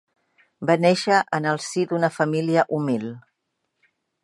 Va néixer en el si d'una família humil.